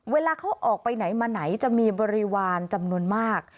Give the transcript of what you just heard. เวลาเขาออกไปไหนมาไหนจะมีบริวารจำนวนมาก